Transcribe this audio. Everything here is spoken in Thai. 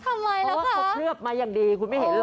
ทำไมล่ะคะเพราะว่าเขาเคลือบมาอย่างดีคุณไม่เห็นเหรอ